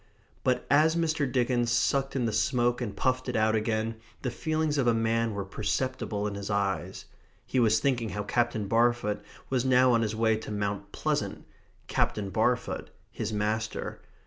But as Mr. Dickens sucked in the smoke and puffed it out again, the feelings of a man were perceptible in his eyes. He was thinking how Captain Barfoot was now on his way to Mount Pleasant; Captain Barfoot, his master.